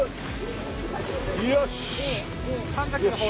よし！